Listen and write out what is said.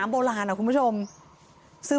หมาก็เห่าตลอดคืนเลยเหมือนมีผีจริง